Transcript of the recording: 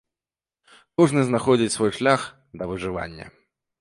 Кожны знаходзіць свой шлях да выжывання.